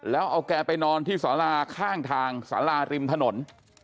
แล้วเอาแกไปนอนที่สาราข้างทางสาราริมถนน